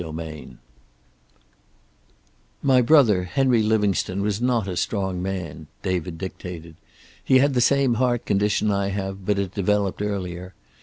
XXXI "My brother, Henry Livingstone, was not a strong man," David dictated. "He had the same heart condition I have, but it developed earlier.